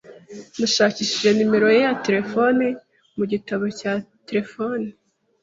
Nashakishije nimero ye ya terefone mu gitabo cya terefone.